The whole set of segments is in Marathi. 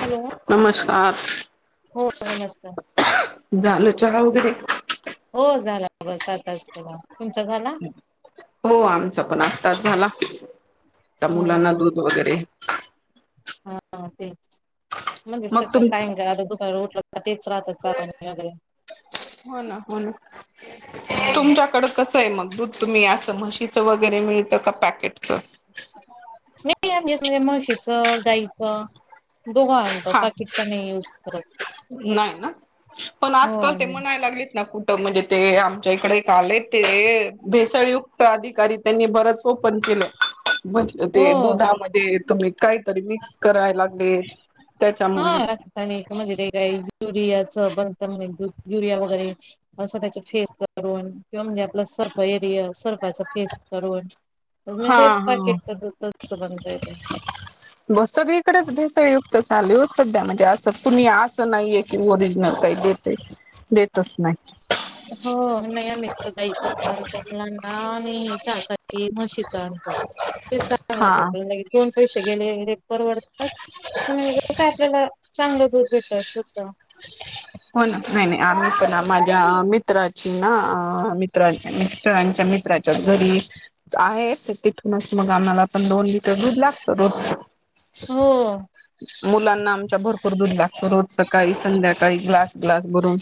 हॅलो नमस्कार हो नमस्कार झालं चहा वगैरे हो झाला बस आताच केला. तुमचा झाला हो आमचं पण आत्ताच झाला. [inaudible] त्या मुलांना ह दूध वगैरे हा तेच. म्हणजे मग सगळं तुम काही नं हो काही राहत दुपारी उठलं काय तेच राहत चा ना हो ना [unintelligible] हं य मग दूध तुम्ही असं म्हशीचं वगैरे मिळतं का पॅकेटचं मिते आस म्हणजे म्हशीचं गाईचं दोघं आणतो पाकीट च नाही यूज करत. नाय ना? पण हो आजकाल ते म्हणायला लागलेत ना कु म्हणजे ते आमच्या इकडे का आले ते भेसळयुक्त अधिकारी त्यांनी बरंच ओपन केलं. म्हतल हो ते दुधामध्ये तुम्ही काहीतरी मिक्स कराय लागले [inaudible] हा रसत्याने एक मध्ये ते काय युरियाच बनत म्हने दुध युरिया वगैरे असं त्याच फेस करून किंवा म्हणजे आपलं सर्फ एरिया सर्फ फेस करून म हा ते हा पाकेटच दूधच बनत ते. चालले हो सध्या म्हणजे, असं कुणी असं नाहीये की ओरिजिनल काही देतंय देतच नाही. हो नाही म [unintelligible] [unintelligible] [unintelligible] ते सांग हा आप कोण पैसे गेले र [unintelligible] [unintelligible] हो. नाही, नाही. आम्ही पण आम- माझ्या मित्राची ना? अ... [inaudible] तिथूनच मग आम्हाला पण, दोन लिटर दूध लागतं रोजचं हो मुलांना, आमच्या भरपूर दूध लागतं. रोज सकाळी- संध्याकाळी. ग्लास, ग्लास भरून.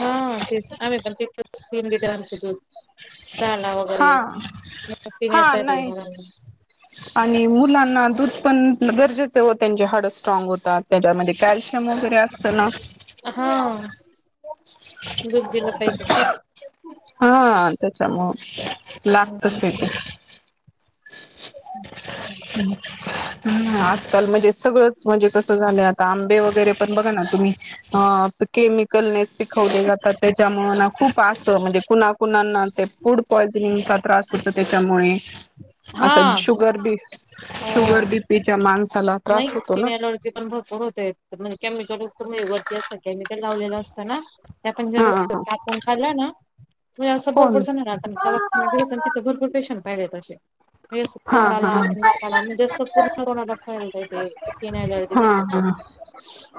हा तेच आम पण ते [unintelligible] क्र्रीम गिटवत [unintelligible] हा. हा पिण्यासाठी नाही, मुलांना आणि मुलाना- दूध पण गरजेचे हो. त्यांचे हाडं स्ट्राग होतात. त्याच्यामध्ये कॅल्शियम वगैरे असतं ना. हा दूध दिलं पाहिजे त्यांना. हा. तत- समू [unintelligible] लागतच येते [inaudible] [unintelligible] हम् [inaudible] ह आजकाल म्हणजे [inaudible] सगळंच म्हणजे कसं झालं, आता आंबे वगैरे, पण बघा ना तुम्ही- हा केमती [unintelligible] कणे शिकवले जातात त्याच्यामु [inaudible] खूप असतं म्हणजे कुणा कुणाना ते फूड पॉयझनिंगचा त्रास होत त्याच्यामुळे अचछा हा शुगर बी हो शुगर बीपीच्या माांस नाही स्किन एलर्जी पण भरपूर होत म्हणजे केमिकल वरती असत केमिकल लावलेलं असतं ना आपण जर अस हा का आपण खालं ना तुम्ही असं हा हो भरपरं ना त भर पैश मळे तसे [unintelligible] [unintelligible] [unintelligible] हा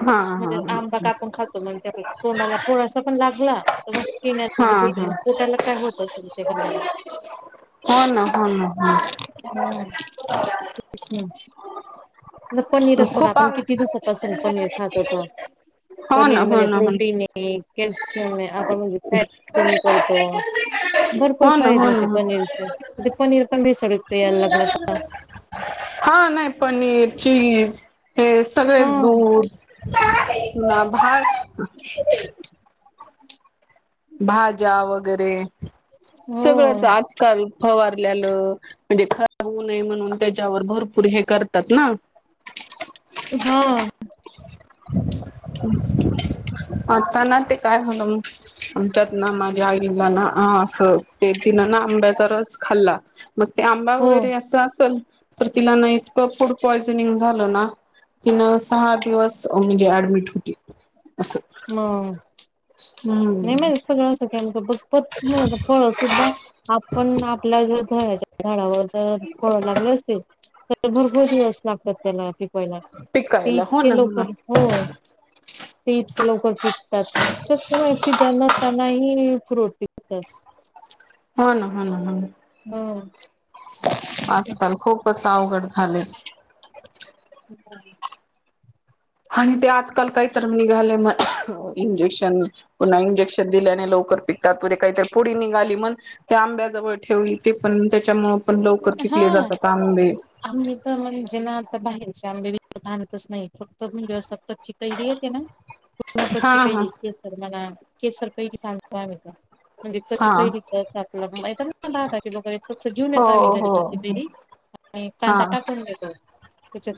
हा हा हा हा हा हा हा हा हो ना हो ना [unintelligible] हो पनीरच बघा खूप आपण किती दिवसापासून पनीर खातोतो हो ना पनीर हो मधी ना हो प्रोटीन आहे कॅल्शियम आहे आपण म्हणजे फॅट ना कमी करतो भरपूर हो ना फायदे हो होते ना पनीरचे ते पनीर पण भेसळ यु [inaudible] हा नाही पनी हे चीज हे सगळे हा दूध [unintelligible] भाज्या वगैरे सगळंच हो आजकाल फवारल्यालं म्हणजे खराब होऊ नये म्हणून त्याच्यावर भरपूर हे करतात ना हा [inaudible] आता ना ते काय झालं मग आमच्यात ना माझ्या आईला ना असं ते तिनं ना आंब्याचा रस खाल्ला मग ते आंबा हो वगैरे असं असल तर तिला ना इतकं फूड पॉयझनिंग झालं ना तिन स - सहा दिवस म्हणजे ऍडमिट होती असं म हम्म [unintelligible] [unintelligible] फळ सुद्धा आपण आपल्या ज झाच्या झाडावर - [unintelligible] फळं लागलय असे भुरपूर जास् लागतात तेला ते पयला ते पिकायला हो ना इतके ना लवकर हो ते इतके लवकर पिकतात होय सीजन् नसतानाही फ्रुट पिकतात हो ना हो ना हो हम आजकाल खूपच अवघड झाले [inaudible] आणि ते आजकाल काहीतरी निघाले म इंजेक्शन पुन्हा इंजेक्शन दिल्याने लवकर पिकताते काहीतरी थोडी निघाली मग ते आंब्याजवळ ठेवली ते पण त्याच्यामुळ हा आम्ही तर म्हणजे ना आता बाहेर चे आंबे विकत आणतच नाही फक्त [unintelligible] कच्ची कैरी येते ना पूर्ण हा कच्ची हा कैरी [unintelligible] मला केसर काही किसान [unintelligible] म्हणजे कशी हा काही विचारते आपला नाता की [unintelligible] कसं घेऊन येत - - हो हो घरी [unintelligible] हा कांदा टाकून घेतो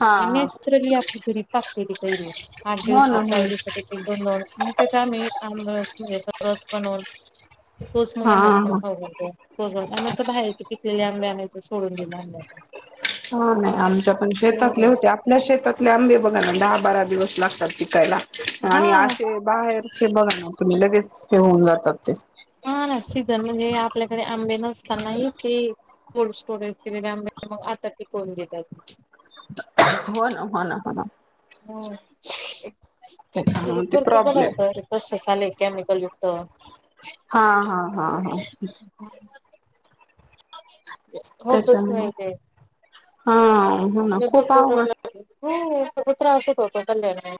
हा हा नॅचरली आपली घरी पा - - कती काय रे? आठ हो ना दिवसात हो चार दिवसात देखील दोन [unintelligible] त्याच्या आम्ही आबरस म्हणजे स रस बनवून- - तोच हा मुलांना हा पण खाऊ लाग तो [unintelligible] बाहेरची पिकलेली आं - - बे अनायचं सोडून दिलं [unintelligible] हा ना आमच्या पण शेतातले हो होते. आपल्या शेतातले आंबे - - [unintelligible] आभाळात - - दिवस लागतात पिकायला आणि हा असे बाहेरचे बघा. तुम्ही लगेच हे होऊन जातात ते - - हा सीझन म्हणजे आपल्याकडे आंबे नसताना येते. कोल्ड स्टोरेजॅम मग आता तेकण देतात. ह. हो. त्याच्यामुळे ते भरपुर [unintelligible] प्रॉब्लेम होतरे कस आले केमिकल युक्त - - हा, हा, हा, हा. हो तस त्याच्यामुळे नाही काही. हा. हो ना. खूप आवघड - - खुपचं त्रास होतो पण संध्याकाळी.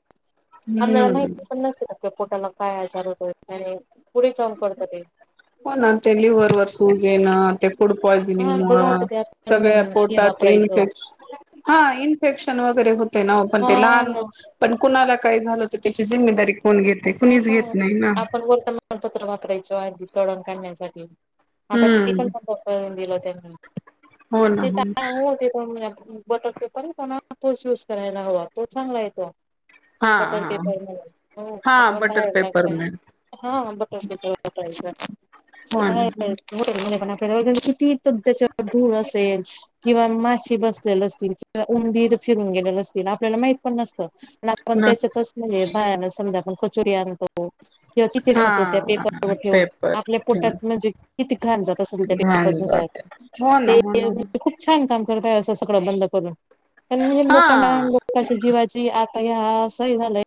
आमल्याला हम्म माहिती पण नसते का? पोटाला काय आजार होत आणि पुढे जाउन कळत ते, हो ना ते लिव्हरवरर सूज येणं ते फूड पॉइझनिंग हा बघा आता मुळ ते आपण सगळ्या हे पोटात वापरायचं इन्फेक्शन- - हा इन्फेक्शन वगैरे होते ना, ओ पण हा ते लहान ना पण कुणाला काही- झालं. त्याची जिम्मेदारी कोण घेते? हो कुणीच घेत नाही ना? दळण काढण्यासाठी- - आता ते पण हम्म [unintelligible] दिलंत. तेच ना. हो ना, हो. पण बटर पेपर येतो ना, तोच युज करायला हवा, तो चांगला येतो. हा.. हा. ह हा आताव बटर बाय पेपर लात मिळेल हा [inaudible] त हो ना प [unintelligible] वगै किती तर त्याच्यावर धूळ असेल किंवा माशी बसलेले असतील किंवा उंदीर फिरून गेलेलं असतील, आपल्याला माहित पण नस- त्या नस [unintelligible] बायान समजा, आपण कचुरी आणतो. किंवा तिथे हा खात होत्या पेपरवर ठेवून पेपर आपल्या पोटात ठेवून नज- इ- ान जात अस पपर घाण जाते हो ना ते हो ना हो खूप छान [inaudible] करताय असं सगळं बंद करून- तर म्हणजे लोकांना हा लोकांच्या जीवाची - हं... सही झालं.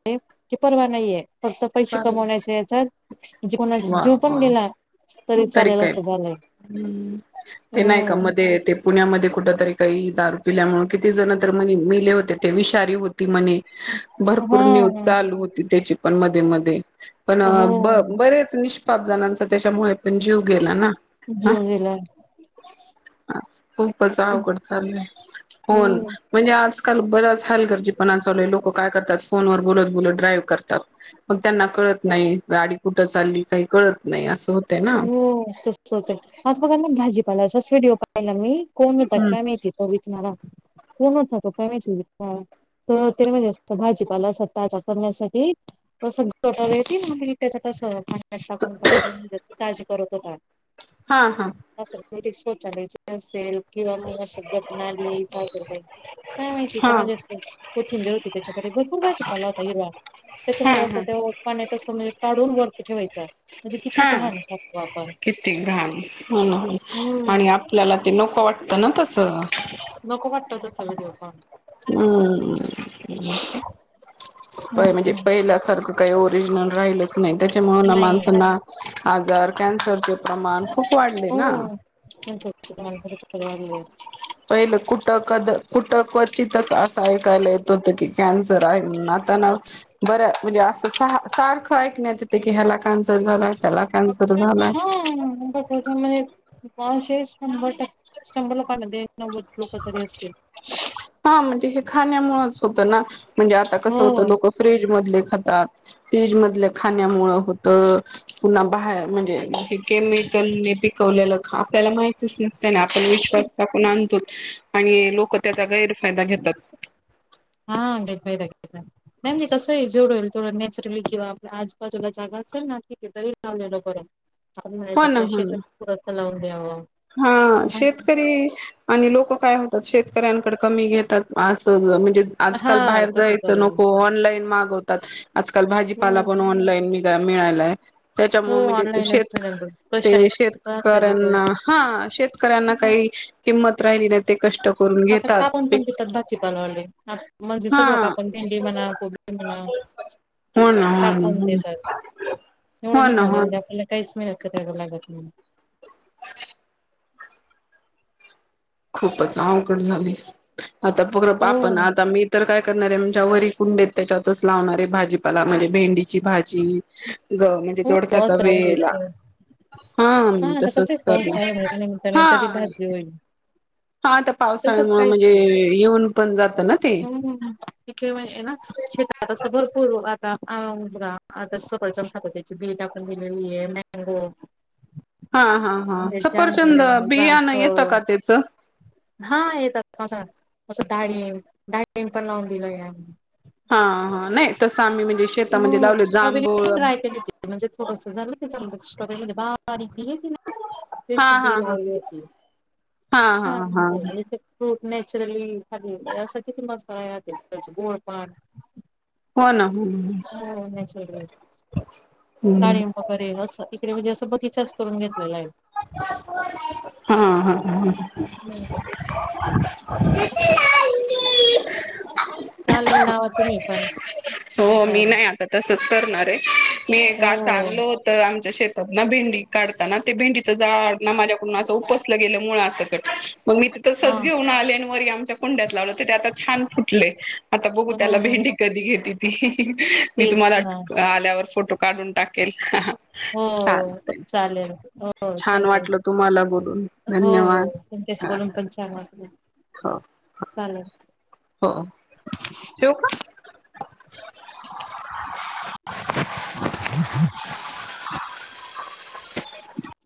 की, परवा नाहीये. फक्त पैसे वा कमवण्याचे या सर- म्हणजे कोणा जीव पण वा गेला? तरी चालेल काय असं झालंय ते नाही का? हो मध्ये ते पुण्यामध्ये कुठ तरी काही दा - त्यामुळे किती जण तर म मेले होते ते विषारी होते म्हणी. हा भरपूर न्यूज चालू होती त्याची, पण मध्ये- मध्ये पण हो ब बरेच, नि्- प जनांचा त्याच्यामुळे- ण जीव गेला ना, ह जीव गेला खूपच अवघड चालू आहे, हो होन म्हणजे आज- काल बराच हलगरजीपणा चालय लोक काय करतात, फोनवर बोलत बोलत ड्राईव्ह करतात मग त्यांना कळत नाही, गाडी कुठं चालली काही कळत नाही असं हो हो तस होत आता बघा ना भाजी- ला विडिओ पाहिला मी [unintelligible] कोणतात हम्म काय माळती [unintelligible] कोण होता तो काय माहिती ते म्हणजे अस भाजीपाला असतााचा करण्यासाठी तग कट त्या तस [unintelligible] अशा आप [unintelligible] ताज करत होताात. हा, हा, ोचे असेल किंवा मला अस जत नाही का [unintelligible] काय माहितीय हा पणज अस कोथिंबेर त्याच्याकडे भरपूर वहिज पाला होता हि हा त्याच्यामध्ये अस हा ते पाण्यात येत काढून वरती ठेवायचा म्हणजे किती हा घाण खातो आपण किती घाण हो हम्म आणि आपल्याला ते नको वाट ता ना तसं नको वाटत तस ह ह हम्म काय म्हणजे पहिल्या सारखं काही ओरिजनल राहिल नाही त्याच्यामुळे नाही माणसांना आजार कन्सरचे प्रमाण खूप वाढले हो ना हा म्हणजे पहिलं कुटक कुटकत तितंच असा एक ऐकलो होतो कि कॅन्सर झाला असा सारखं ऐकण्यात येतंय कि ह्याला कॅन्सर झाला तेला कॉन्स हा म का कच म्ह [unintelligible] मशे शंभर ट शंभर लोक नव्वद लोक तरी असतील हा म्हणजे हे खाण्यामुळेच होतं ना म्हणजे आता कसं होतं हो लोकं फ्र्रीज मधले ात फ्रीज मध खाण्यामु होत पुन्हा बाहेर म्हणजे क केमिकलने पिकवलेला खा त्याला मा तस नसत ना आपण विश्वास टाकून आणतो आणि लोक त्याचा गैर हा अंकज भाई राज मॅम जस कसं हे जेवढ होईल तेवढ नॅचरली किंवा आपल्या आजूबाजूला जागा असेल ना तिथे तरी लावले पर्यंत मा हो ना आपल्या हो ना शेतात पुरसा लावून द्यावा हा शेतकरी आणि लोक काय म्हणतात शेतकऱ्यांनकडन कमी घेतात अस आजकाल हा बाहेर तसं जायचं चाललंय. नको ऑनलाईन माग होतात. आजकाल हो भाजीपाला पण ऑनलाईन मिळ- मिळालाय हो त्याच्यामुळे म्हणजे शेत ऑनलाईनच झालं कशा ते आहेत कशा देतो. शेतकऱ्यांना हा शेतकऱ्यांना काही किंमत राहिली न आता कापूण पण देतात भाजीपालवाले म्हणजे सगळं हा कापून भेंडी म्हणा कोबी म्हणा हो ना हो कापून ना देतात हो एवढं ना हो ना निघाले हो ना म्हणजे आपल्याला काहीच मिळत कराव लागत नाही खूपच अवघड झालय. आता पोरन बाप हो आता मी तर काय करणारे म्हणे वरी कुंडीत त्याच्यातच लावणारे भाजीपाला म्हणजे भेंडीची भाजी ग म्हणजे हो दोडक्याचा असं लावून वेला द्यायचं. हा आता कसं तसच आहे करण पावसाळ्यामुळे त्यानिमित्ताने हा तरी भाजी होईल. हा आता तसच पावसाळ्यामुळ म्हणजे काहीतरी येऊन पण जात ना ते केव्हाही येणार शेतात असं भरपूर आता सफरछंद खात होते बी टाकून दिलेली ये मॅंगो ची हा हा हा सफरचंद जामुन बियाण येतं रामफळ का त्याच हा येतात असं डाळींम डाळीम पण लावून दिलय हा हा नाही तसं आम्ही म्हणजे हो शेतामध्ये लावले स्ट्रॉबेरी जांभूळ पण ड्राय केली म्हणजे थोडस झालं त्या स्टॉबीरीत बारीक बी ते हा शि हा बी हा लावली होती हा हा शां हा म्हणजे ते फ नॅचरली खाली असं किती मस्त राहते त्याचे गोळपण हो ना हम्म हो नचुराल्ली आहे डाळींब वगैरे असं म्हणजे असं बगीचा करून घेत हा हा ह [inaudible] खरयं हो मी नाही आता त तेच करणार आहे. मी का हो आणलो होत आमच्या शेत- ना भेंडी काढताना ते भेंडीच जाड. माझ्याकडून असं उपसलं गेलं मुळासकट. मग मी तिथं हा सज घेऊन आले आणि वरी आमच्या कुंड्यात लावलं तर ते आ छान फुटलय आता बघू त्याला [inaudible] हो भेंडी -कधी घेतील ते [inaudible] मी [inaudible] तेच तुम्हाला ना आल्यावर फोटो काढून टाकेल [inaudible] हो चालतय -चालेल हो छान थँक यू वाटलं तुम्हाला बोलून हो- धन्यवाद हो तुमच्याशी हा बोलून पण छान वाटलं. हो चालंल हो ठेऊ का? [inaudible] [inaudible]